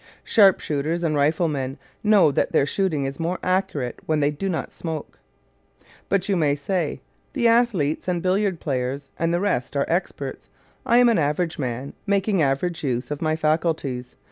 Sharp shooters and riflemen know that their shooting is more accurate when they do not smoke. But you may say: "The athletes and billiard players and the rest are experts. I am an average man, making average use of my faculties.